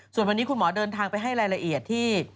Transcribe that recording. ส่วนวันนี้คุณหมอเดินทางไปให้รายละเอียดที่